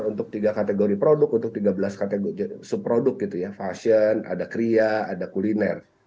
untuk tiga kategori produk untuk tiga belas sub produk fashion ada kriya ada kuliner